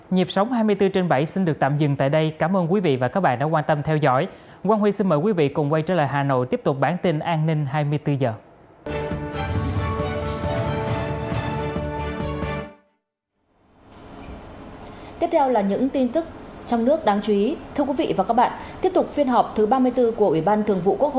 nhịp sóng hai mươi bốn trên bảy xin được tạm dừng